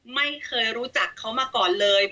ไม่เคยรู้จักเขามาก่อนเลย